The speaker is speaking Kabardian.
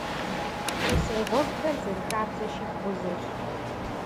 Шоссе гъуэгухэр, зэрыхабзэщи, бгъузэщ.